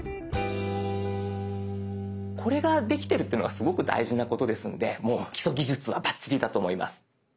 これができてるっていうのがすごく大事なことですのでもう基礎技術はバッチリだと思います。